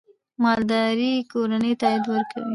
مالداري کورنۍ ته عاید ورکوي.